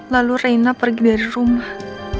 lalu reina pergi dari rumah